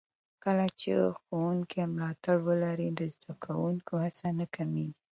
کله چې ښوونکي ملاتړ ولري، د زده کوونکو هڅه نه کمېږي.